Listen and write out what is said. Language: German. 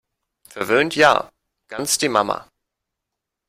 Verwöhnt ja - ganz die Mama!